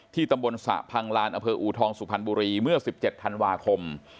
ตำบลสระพังลานอำเภออูทองสุพรรณบุรีเมื่อ๑๗ธันวาคม